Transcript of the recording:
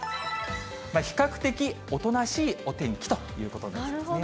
比較的おとなしいお天気ということになりそうですね。